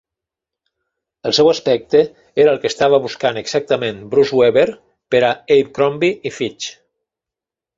El seu aspecte era el que estava buscant exactament Bruce Weber per a Abecrombie i Fitch.